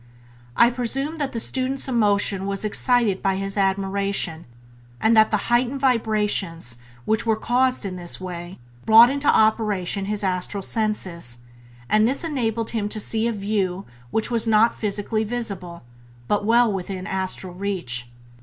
I presume that the student's emotion was excited by his admiration, and that the heightened vibrations which were caused in this way brought into operation his astral senses, and this enabled him to see a view which was not physically visible, but well within astral reach.